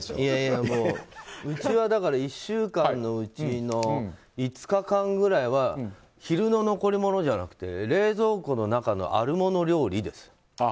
うちは１週間のうちの５日間ぐらいは昼の残り物じゃなくて冷蔵庫の中のあるもの料理です。